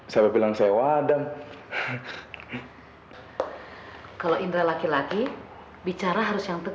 sampai jumpa di video selanjutnya